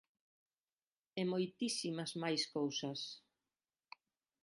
E moitísimas máis cousas.